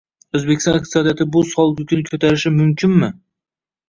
O'zbekiston iqtisodiyoti bu soliq yukini ko'tarishi mumkinmi?